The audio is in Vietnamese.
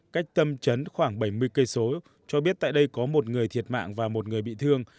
cách tâm trấn khoảng bảy mươi cây số cho biết tại đây có một người thiệt mạng và một người bị thương